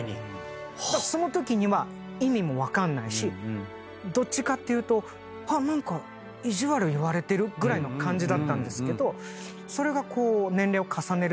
そのときには意味も分かんないしどっちかっていうと何か意地悪言われてる？ぐらいの感じだったんですけどそれが年齢を重ねるにつれ。